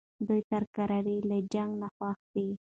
دوی تر کرارۍ له جنګ نه خوښ دي.